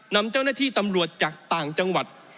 นำเจ้าหน้าที่ตำรวจจากต่างจังหวัด